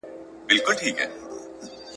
په هوا کشپ روان وو ننداره سوه ,